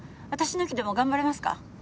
私抜きでも頑張れますか？